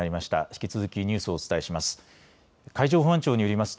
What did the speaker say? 引き続きニュースをお伝えします。